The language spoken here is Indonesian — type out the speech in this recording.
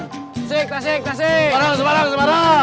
tasik tasik tasik semarang semarang semarang